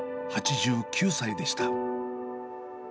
８９歳でした。